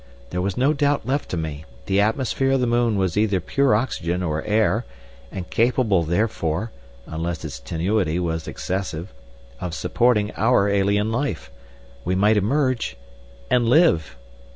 There was no doubt left to me; the atmosphere of the moon was either pure oxygen or air, and capable therefore—unless its tenuity was excessive—of supporting our alien life. We might emerge—and live!